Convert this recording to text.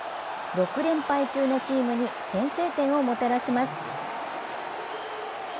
６連敗中のチームに先制点をもたらします。